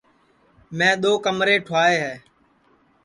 میں دؔو کمرے ٹُھوائے ہے